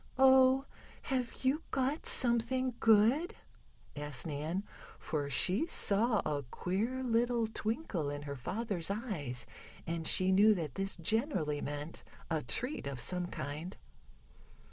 "Oh, have you got something good?" asked Nan, for she saw a queer little twinkle in her father's eyes, and she knew that this generally meant a treat of some kind.